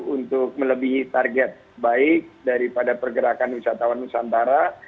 untuk melebihi target baik daripada pergerakan wisatawan nusantara